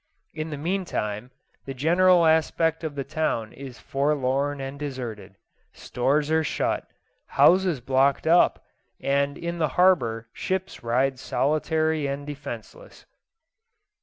In the meantime, the general aspect of the town is forlorn and deserted; stores are shut, houses blocked up, and in the harbour ships ride solitary and defenceless.